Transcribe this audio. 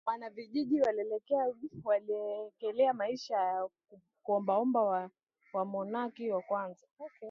wanavijiji wakaelekea maisha ya kuombaomba Wamonaki wa kwanza